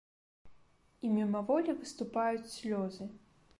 І мімаволі выступаюць слёзы.